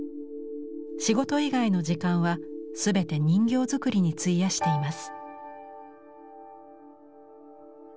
仕事以外の時間は全て人形作りに費やしています。